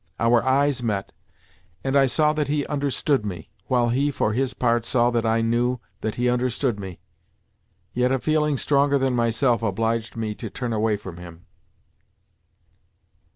Our eyes met, and I saw that he understood me, while he, for his part, saw that I knew that he understood me; yet a feeling stronger than myself obliged me to turn away from him.